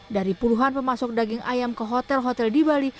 dari puluhan pemasok daging ayam ke hotel hotel di bali